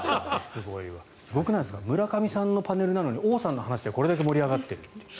すごくないですか村上さんのパネルなのに王さんの話題でこれだけ盛り上がってるという。